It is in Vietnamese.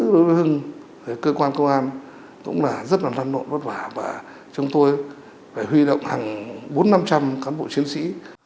đối với hưng cơ quan công an cũng là rất là năn nộn vất vả và chúng tôi phải huy động hàng bốn trăm linh năm trăm linh cán bộ chiến sĩ